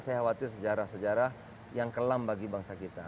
saya khawatir sejarah sejarah yang kelam bagi bangsa kita